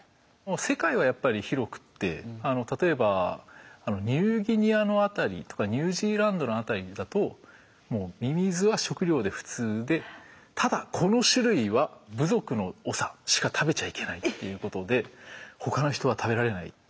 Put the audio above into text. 世界はやっぱり広くって例えばニューギニアの辺りとかニュージーランドの辺りだともうミミズは食料で普通でただこの種類は部族の長しか食べちゃいけないっていうことで他の人は食べられないっていうミミズがあったりとか。